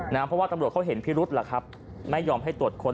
นะเพราะว่าตำรวจเขาเห็นภิรุษไม่ยอมให้ตรวจคน